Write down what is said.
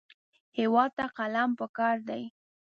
هېواد ته قلم پکار دی